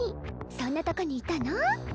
そんなとこにいたの？